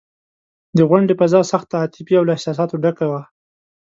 د غونډې فضا سخته عاطفي او له احساساتو ډکه وه.